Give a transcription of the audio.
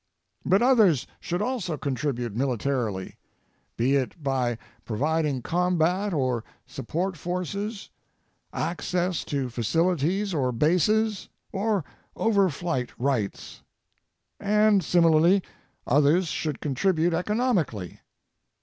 But others should also contribute militarily, be it by providing combat or support forces, access to facilities or bases, or overflight rights. And similarly, others should contribute economically.